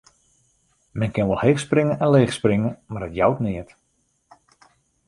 Men kin wol heech springe en leech springe, mar it jout neat.